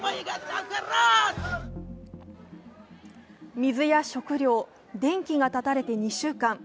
水や食料、電気が絶たれて２週間。